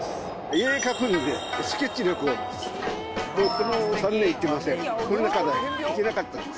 絵を描きに、スケッチ旅行です。